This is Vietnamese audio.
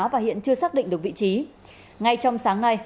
và hiện chưa xác định được vị trí